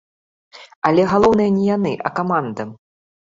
Але галоўнае не яны, а каманда.